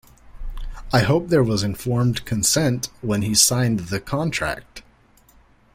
I hope there was informed consent when he signed the contract.